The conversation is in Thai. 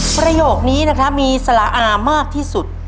ประโยคนี้มีสละอามากที่สุด